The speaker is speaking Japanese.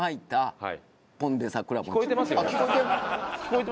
はい。